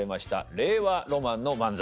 令和ロマンの漫才。